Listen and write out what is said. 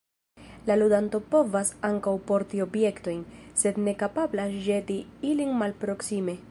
La ludanto povas ankaŭ porti objektojn, sed ne kapablas ĵeti ilin malproksime.